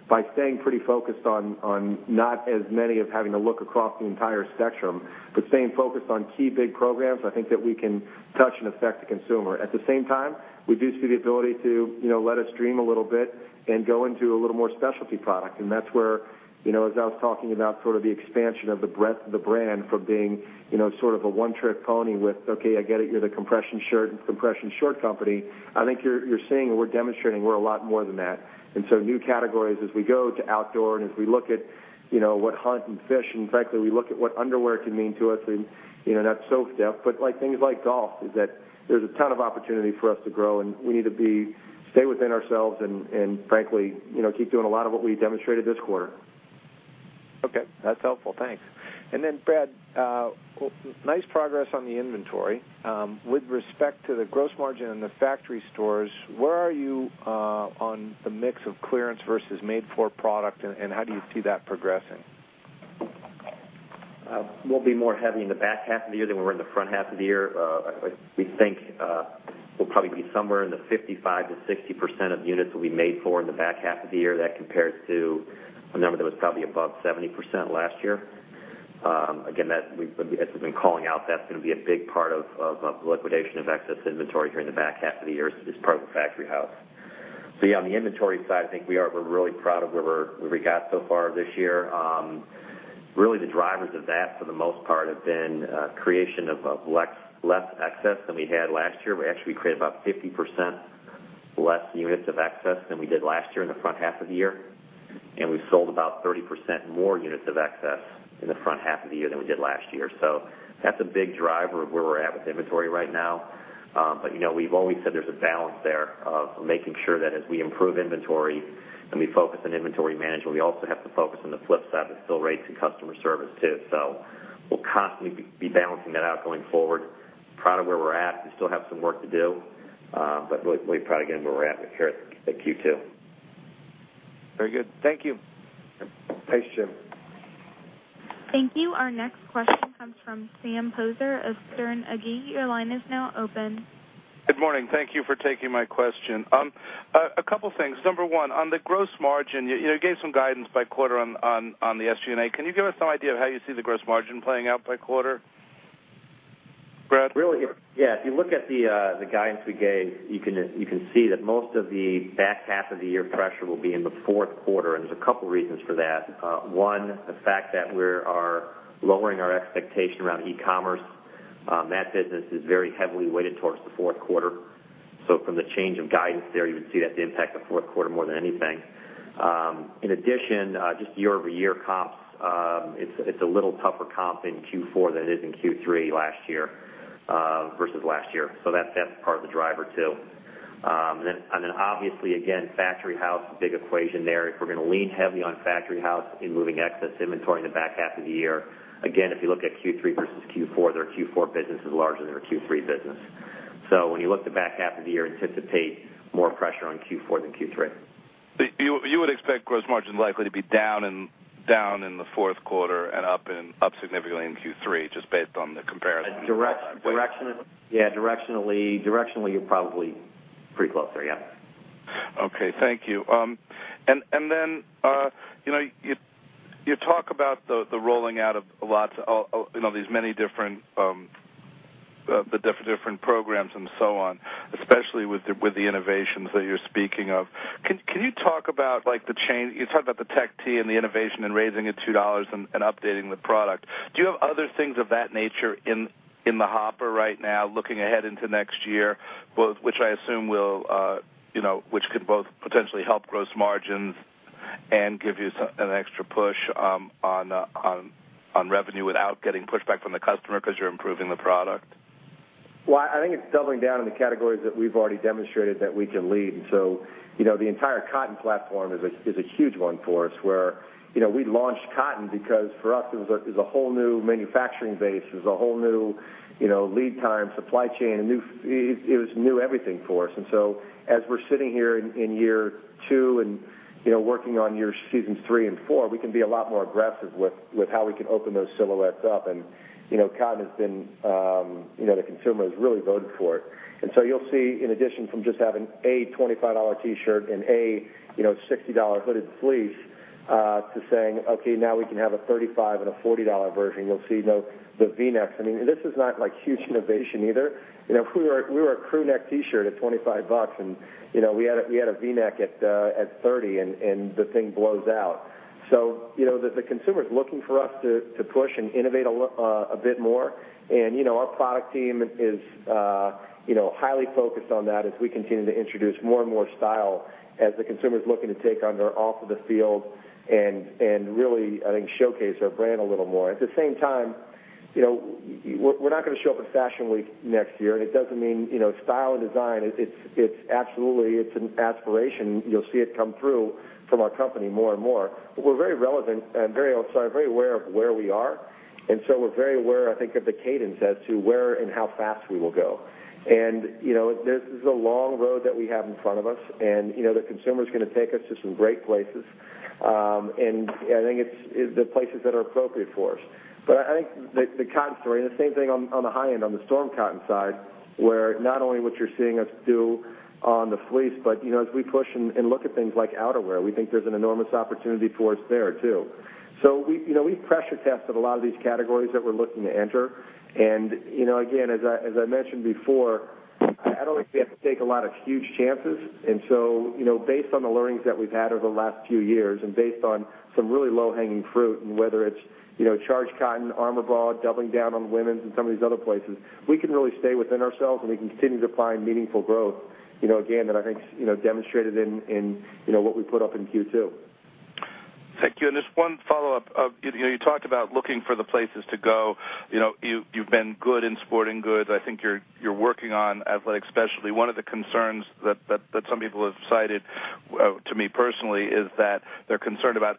By staying pretty focused on not as many of having to look across the entire spectrum, but staying focused on key big programs, I think that we can touch and affect the consumer. At the same time, we do see the ability to let us dream a little bit and go into a little more specialty product. That's where, as I was talking about sort of the expansion of the breadth of the brand from being sort of a one-trick pony with, okay, I get it, you're the compression shirt and compression short company. I think you're seeing and we're demonstrating we're a lot more than that. New categories as we go to outdoor and as we look at what hunt and fish, and frankly, we look at what underwear can mean to us and not sock depth, but things like golf, is that there's a ton of opportunity for us to grow, and we need to stay within ourselves and frankly, keep doing a lot of what we demonstrated this quarter. Okay, that's helpful. Thanks. Brad, nice progress on the inventory. With respect to the gross margin and the factory stores, where are you on the mix of clearance versus made for product, and how do you see that progressing? We'll be more heavy in the back half of the year than we're in the front half of the year. We think we'll probably be somewhere in the 55%-60% of units will be made for in the back half of the year. That compares to a number that was probably above 70% last year. Again, as we've been calling out, that's going to be a big part of the liquidation of excess inventory during the back half of the year as part of the Factory House. Yeah, on the inventory side, I think we're really proud of where we got so far this year. Really, the drivers of that, for the most part, have been creation of less excess than we had last year. We actually created about 50% less units of excess than we did last year in the front half of the year. We sold about 30% more units of excess in the front half of the year than we did last year. That's a big driver of where we're at with inventory right now. We've always said there's a balance there of making sure that as we improve inventory and we focus on inventory management, we also have to focus on the flip side of still rates and customer service too. We'll constantly be balancing that out going forward. Proud of where we're at. We still have some work to do. Really proud again of where we're at with current at Q2. Very good. Thank you. Thanks, Jim. Thank you. Our next question comes from Sam Poser of Sterne Agee. Your line is now open. Good morning. Thank you for taking my question. A couple things. Number one, on the gross margin, you gave some guidance by quarter on the SG&A. Can you give us some idea of how you see the gross margin playing out by quarter? Brad? Really, yeah. If you look at the guidance we gave, you can see that most of the back half of the year pressure will be in the fourth quarter, and there's a couple reasons for that. One, the fact that we are lowering our expectation around e-commerce. From the change of guidance there, you would see that impact the fourth quarter more than anything. In addition, just year-over-year comps, it's a little tougher comp in Q4 than it is in Q3 versus last year. That's part of the driver, too. Obviously, again, Under Armour Factory House, big equation there. If we're gonna lean heavily on Under Armour Factory House in moving excess inventory in the back half of the year. Again, if you look at Q3 versus Q4, their Q4 business is larger than their Q3 business. When you look at the back half of the year, anticipate more pressure on Q4 than Q3. You would expect gross margin likely to be down in the fourth quarter and up significantly in Q3, just based on the comparison. Yeah, directionally, you're probably pretty close there, yeah. Okay. Thank you. You talk about the rolling out of these many different programs and so on, especially with the innovations that you're speaking of. You talked about the Tech Tee and the innovation and raising it $2 and updating the product. Do you have other things of that nature in the hopper right now, looking ahead into next year, which could both potentially help gross margins and give you an extra push on revenue without getting pushback from the customer because you're improving the product? Well, I think it's doubling down in the categories that we've already demonstrated that we can lead. The entire cotton platform is a huge one for us, where we launched cotton because for us, it was a whole new manufacturing base. It was a whole new lead time supply chain. It was new everything for us. As we're sitting here in year two and working on year seasons three and four, we can be a lot more aggressive with how we can open those silhouettes up. The consumer has really voted for it. You'll see, in addition from just having a $25 T-shirt and a $60 hooded fleece, to saying, okay, now we can have a $35 and a $40 version. You'll see the V-necks. I mean, this is not like huge innovation either. We were a crew neck T-shirt at $25, we had a V-neck at $30, and the thing blows out. The consumer's looking for us to push and innovate a bit more. Our product team is highly focused on that as we continue to introduce more and more style as the consumer's looking to take on their off of the field and really, I think, showcase our brand a little more. At the same time, we're not going to show up at Fashion Week next year, it doesn't mean style and design. It's an aspiration. You'll see it come through from our company more and more. We're very relevant and very aware of where we are, we're very aware, I think, of the cadence as to where and how fast we will go. This is a long road that we have in front of us, the consumer's going to take us to some great places. I think it's the places that are appropriate for us. I think the cotton story and the same thing on the high end, on the Storm Cotton side, where not only what you're seeing us do on the fleece, but as we push and look at things like outerwear, we think there's an enormous opportunity for us there, too. We've pressure tested a lot of these categories that we're looking to enter. Again, as I mentioned before, I don't think we have to take a lot of huge chances. Based on the learnings that we've had over the last few years and based on some really low-hanging fruit and whether it's Charged Cotton, ArmourBall, doubling down on women's and some of these other places, we can really stay within ourselves and we can continue to find meaningful growth. Again, that I think is demonstrated in what we put up in Q2. Thank you. Just one follow-up. You talked about looking for the places to go. You've been good in sporting goods. I think you're working on athletic specialty. One of the concerns that some people have cited to me personally is that they're concerned about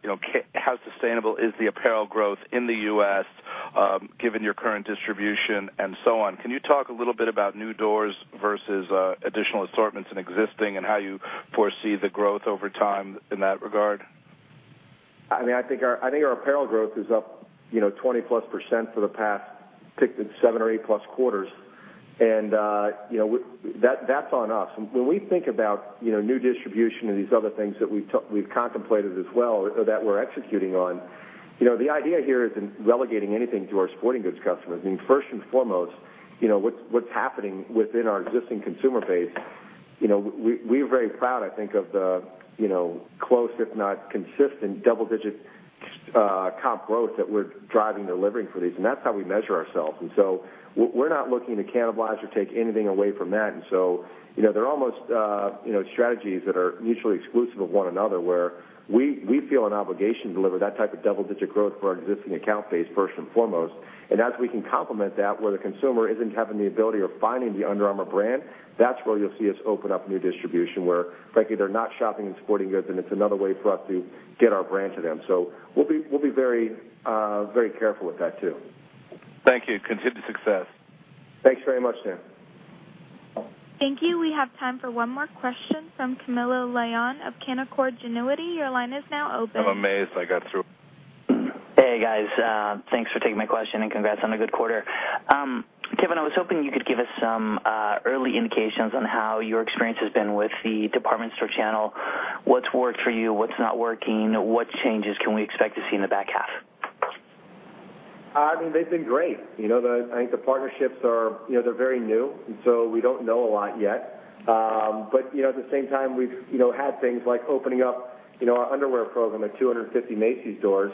how sustainable is the apparel growth in the U.S. given your current distribution and so on. Can you talk a little bit about new doors versus additional assortments in existing and how you foresee the growth over time in that regard? I think our apparel growth is up 20%+ for the past seven or 8+ quarters, and that's on us. When we think about new distribution and these other things that we've contemplated as well, or that we're executing on, the idea here isn't relegating anything to our sporting goods customers. First and foremost, what's happening within our existing consumer base, we are very proud, I think, of the close, if not consistent, double-digit comp growth that we're driving and delivering for these, and that's how we measure ourselves. We're not looking to cannibalize or take anything away from that. They're almost strategies that are mutually exclusive of one another, where we feel an obligation to deliver that type of double-digit growth for our existing account base, first and foremost. As we can complement that, where the consumer isn't having the ability of finding the Under Armour brand, that's where you'll see us open up new distribution where, frankly, they're not shopping in sporting goods, and it's another way for us to get our brand to them. We'll be very careful with that, too. Thank you. Continued success. Thanks very much, Sam. Thank you. We have time for one more question from Camilo Lyon of Canaccord Genuity. Your line is now open. I'm amazed I got through. Hey, guys. Thanks for taking my question and congrats on a good quarter. Kevin, I was hoping you could give us some early indications on how your experience has been with the department store channel. What's worked for you, what's not working, what changes can we expect to see in the back half? They've been great. I think the partnerships are very new, and so we don't know a lot yet. At the same time, we've had things like opening up our underwear program at 250 Macy's stores.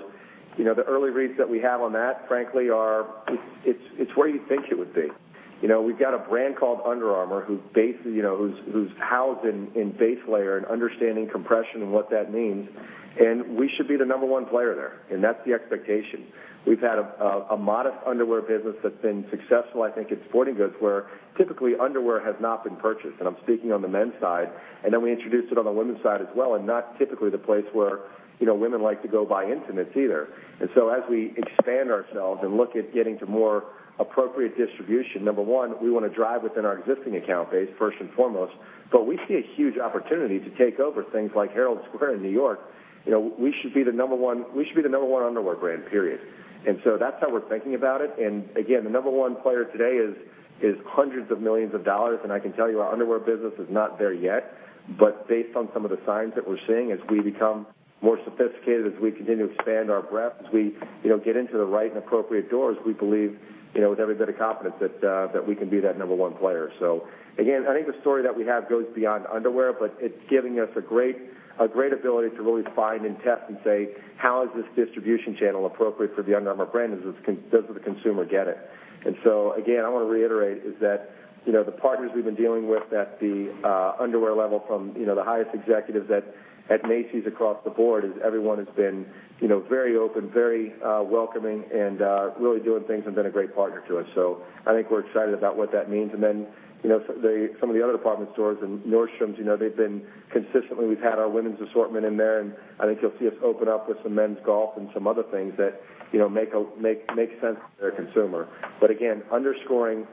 The early reads that we have on that, frankly, are it's where you think it would be. We've got a brand called Under Armour who's housed in base layer and understanding compression and what that means, and we should be the number one player there, and that's the expectation. We've had a modest underwear business that's been successful, I think, in sporting goods, where typically underwear has not been purchased, and I'm speaking on the men's side, and then we introduced it on the women's side as well, and not typically the place where women like to go buy intimates either. As we expand ourselves and look at getting to more appropriate distribution, number 1, we want to drive within our existing account base, first and foremost, but we see a huge opportunity to take over things like Herald Square in New York. We should be the number 1 underwear brand, period. That's how we're thinking about it. Again, the number 1 player today is hundreds of millions of dollars, and I can tell you our underwear business is not there yet, but based on some of the signs that we're seeing, as we become more sophisticated, as we continue to expand our breadth, as we get into the right and appropriate doors, we believe with every bit of confidence that we can be that number 1 player. Again, I think the story that we have goes beyond underwear, but it's giving us a great ability to really find and test and say, "How is this distribution channel appropriate for the Under Armour brand? Does the consumer get it?" Again, I want to reiterate is that the partners we've been dealing with at the underwear level from the highest executives at Macy's across the board is everyone has been very open, very welcoming, and really doing things and been a great partner to us. I think we're excited about what that means. Some of the other department stores in Nordstrom, they've been consistently, we've had our women's assortment in there, and I think you'll see us open up with some men's golf and some other things that make sense for their consumer. Again, underscoring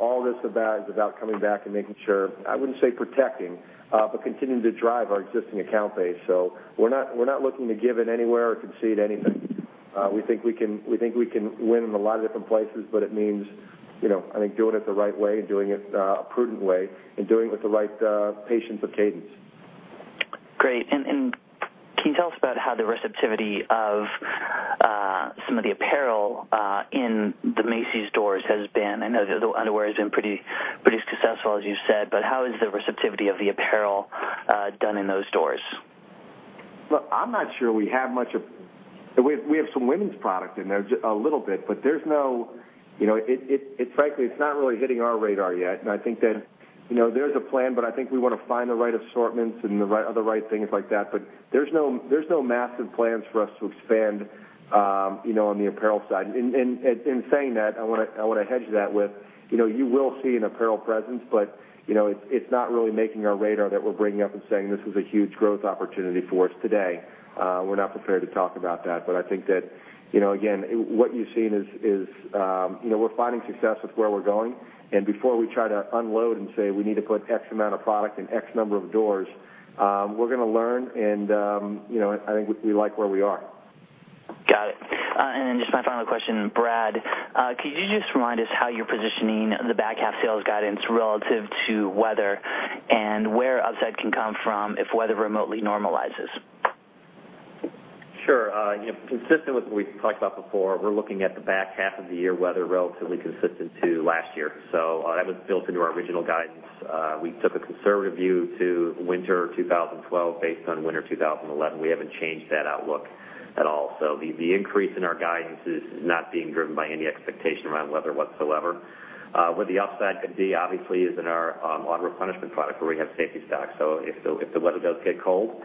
all this about is about coming back and making sure, I wouldn't say protecting, but continuing to drive our existing account base. We're not looking to give in anywhere or concede anything. We think we can win in a lot of different places, but it means doing it the right way and doing it a prudent way and doing it with the right patience of cadence. Great. Can you tell us about how the receptivity of some of the apparel in the Macy's stores has been? I know the underwear has been pretty successful, as you said, but how is the receptivity of the apparel done in those stores? Look, I'm not sure we have much. We have some women's product in there, a little bit, frankly, it's not really hitting our radar yet. I think that there's a plan, I think we want to find the right assortments and the right other right things like that. There's no massive plans for us to expand on the apparel side. In saying that, I want to hedge that with you will see an apparel presence, it's not really making our radar that we're bringing up and saying this is a huge growth opportunity for us today. We're not prepared to talk about that. I think that, again, what you've seen is we're finding success with where we're going. Before we try to unload and say we need to put X amount of product in X number of doors, we're going to learn, I think we like where we are. Just my final question, Brad, could you just remind us how you're positioning the back half sales guidance relative to weather and where upside can come from if weather remotely normalizes? Sure. Consistent with what we've talked about before, we're looking at the back half of the year weather relatively consistent to last year. That was built into our original guidance. We took a conservative view to winter 2012 based on winter 2011. We haven't changed that outlook at all. The increase in our guidance is not being driven by any expectation around weather whatsoever. Where the upside could be, obviously, is in our auto replenishment product, where we have safety stock. If the weather does get cold,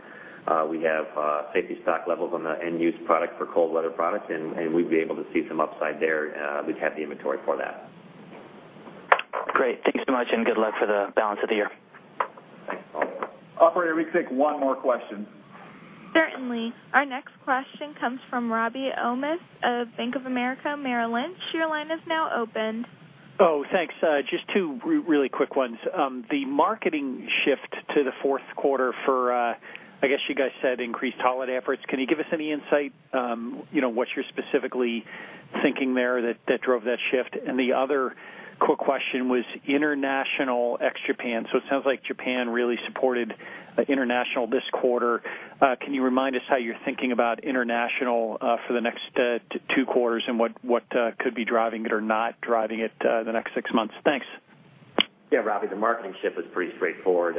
we have safety stock levels on the end-use product for cold weather products, we'd be able to see some upside there. We've had the inventory for that. Great. Thank you so much, and good luck for the balance of the year. Thanks, Camilo. Operator, we can take one more question. Certainly. Our next question comes from Robert Ohmes of Bank of America, Merrill Lynch. Your line is now open. Oh, thanks. Just two really quick ones. The marketing shift to the fourth quarter for, I guess you guys said increased holiday efforts. Can you give us any insight, what you're specifically thinking there that drove that shift? The other quick question was international ex-Japan. It sounds like Japan really supported international this quarter. Can you remind us how you're thinking about international for the next two quarters and what could be driving it or not driving it the next six months? Thanks. Yeah, Robbie, the marketing shift was pretty straightforward.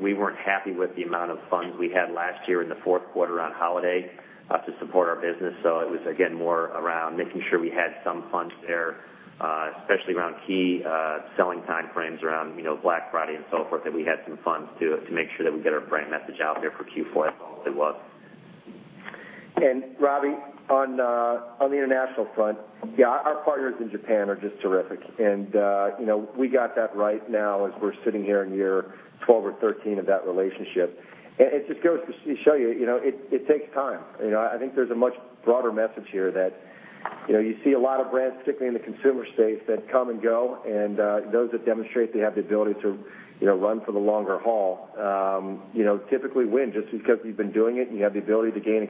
We weren't happy with the amount of funds we had last year in the fourth quarter on holiday to support our business. It was, again, more around making sure we had some funds there, especially around key selling time frames around Black Friday and so forth, that we had some funds to make sure that we get our brand message out there for Q4. That's all it was. Robbie, on the international front, yeah, our partners in Japan are just terrific. We got that right now as we're sitting here in year 12 or 13 of that relationship. It just goes to show you, it takes time. I think there's a much broader message here that you see a lot of brands, particularly in the consumer space, that come and go, and those that demonstrate they have the ability to run for the longer haul typically win, just because you've been doing it and you have the ability to gain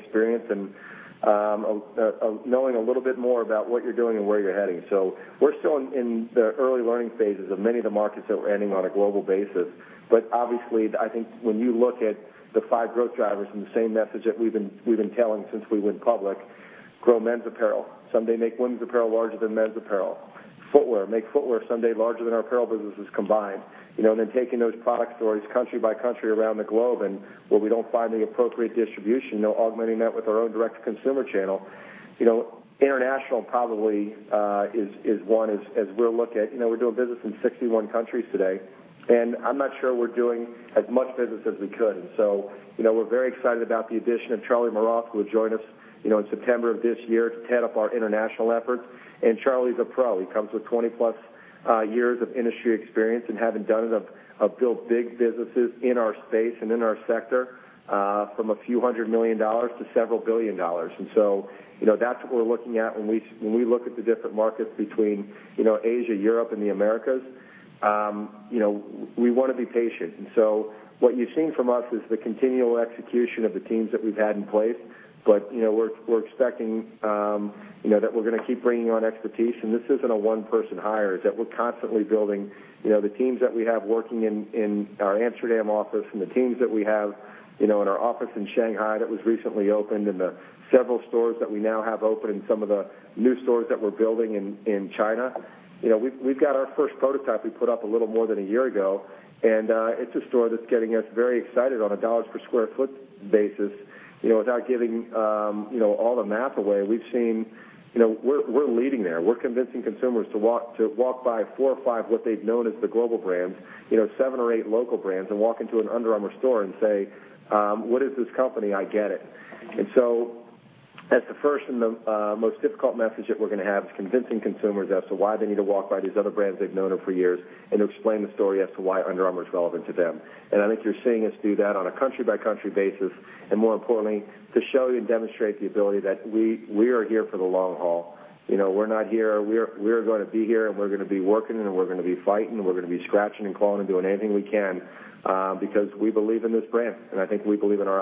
experience and knowing a little bit more about what you're doing and where you're heading. We're still in the early learning phases of many of the markets that we're entering on a global basis. Obviously, I think when you look at the five growth drivers and the same message that we've been telling since we went public, grow men's apparel. Someday make women's apparel larger than men's apparel. Footwear, make footwear someday larger than our apparel businesses combined. Taking those product stories country by country around the globe and where we don't find the appropriate distribution, augmenting that with our own direct-to-consumer channel. International probably is one as we'll look at. We're doing business in 61 countries today, and I'm not sure we're doing as much business as we could. We're very excited about the addition of Karl-Heinz Maurath, who will join us in September of this year to head up our international efforts. Charlie's a pro. He comes with 20-plus years of industry experience and having done it, built big businesses in our space and in our sector from a few hundred million dollars to several billion dollars. That's what we're looking at when we look at the different markets between Asia, Europe, and the Americas. We want to be patient. What you've seen from us is the continual execution of the teams that we've had in place. We're expecting that we're going to keep bringing on expertise, and this isn't a one-person hire, that we're constantly building the teams that we have working in our Amsterdam office and the teams that we have in our office in Shanghai that was recently opened and the several stores that we now have open and some of the new stores that we're building in China. We've got our first prototype we put up a little more than a year ago, and it's a store that's getting us very excited on a dollars per square foot basis. Without giving all the math away, we're leading there. We're convincing consumers to walk by four or five, what they've known as the global brands, seven or eight local brands, and walk into an Under Armour store and say, "What is this company? I get it." That's the first and the most difficult message that we're going to have is convincing consumers as to why they need to walk by these other brands they've known of for years and to explain the story as to why Under Armour is relevant to them. I think you're seeing us do that on a country-by-country basis, and more importantly, to show you and demonstrate the ability that we are here for the long haul. We're going to be here, and we're going to be working, and we're going to be fighting, and we're going to be scratching and clawing and doing anything we can because we believe in this brand, and I think we believe in our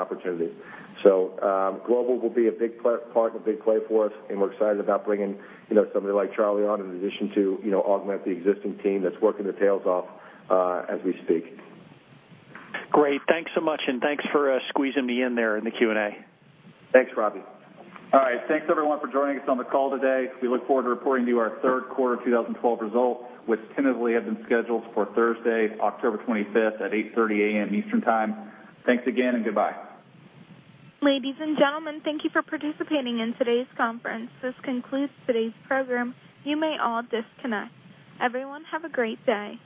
opportunity. Global will be a big part and a big play for us, and we're excited about bringing somebody like Charlie on in addition to augment the existing team that's working their tails off as we speak. Great. Thanks so much, and thanks for squeezing me in there in the Q&A. Thanks, Robbie. All right. Thanks, everyone, for joining us on the call today. We look forward to reporting to you our third quarter 2012 results, which tentatively have been scheduled for Thursday, October 25th at 8:30 A.M. Eastern Time. Thanks again, and goodbye. Ladies and gentlemen, thank you for participating in today's conference. This concludes today's program. You may all disconnect. Everyone, have a great day.